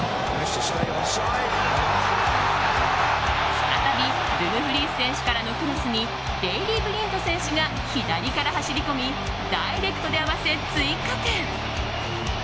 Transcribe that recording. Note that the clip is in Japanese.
再びダンフリース選手からのクロスにデイリー・ブリント選手が左から走り込みダイレクトで合わせ追加点。